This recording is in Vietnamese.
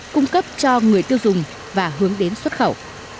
cung cấp cho người tiêu dùng và hướng đến xuất khẩu